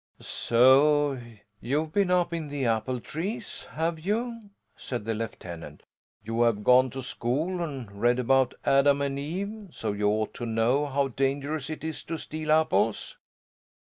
"So you've been up in the apple trees, have you?" said the lieutenant. "You have gone to school and read about Adam and Eve, so you ought to know how dangerous it is to steal apples."